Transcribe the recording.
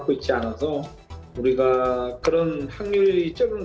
kita harus melakukan banyak terserah